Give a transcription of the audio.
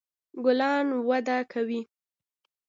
ګلان وده کوي